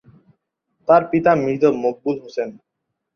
তার পিতা মৃত মকবুল হোসেন।